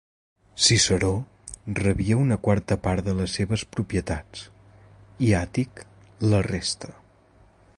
Ciceró rebia una quarta part de les seves propietats, i Àtic la resta.